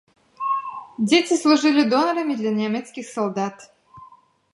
Дзеці служылі донарамі для нямецкіх салдат.